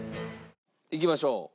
いきましょう。